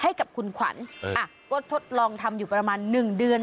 ให้กับคุณขวัญก็ทดลองทำอยู่ประมาณ๑เดือน